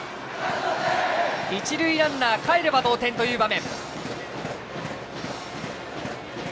一塁ランナーかえれば同点という場面。